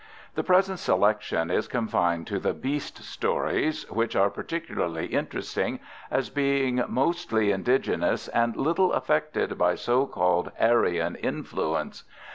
The present selection is confined to the Beast Stories, which are particularly interesting as being mostly indigenous and little affected by so called Aryan influence.